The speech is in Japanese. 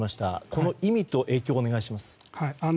この意味と影響をお願いします。